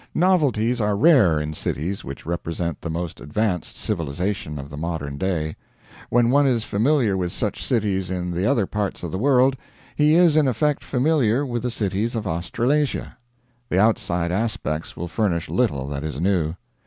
Novelties are rare in cities which represent the most advanced civilization of the modern day. When one is familiar with such cities in the other parts of the world he is in effect familiar with the cities of Australasia. The outside aspects will furnish little that is new.